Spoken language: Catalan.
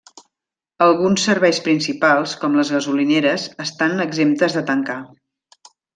Alguns serveis principals, com les gasolineres, estan exemptes de tancar.